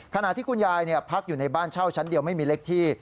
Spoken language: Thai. ขณะที่คุณยายพักอยู่ในบ้านเช่าชั้นเดียวไม่มีเล็กที่